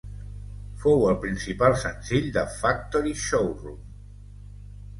Fou el principal senzill de "Factory Showroom".